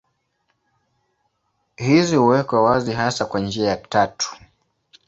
Hizi huwekwa wazi hasa kwa njia tatu.